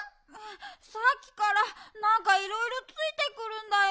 さっきからなんかいろいろついてくるんだよ。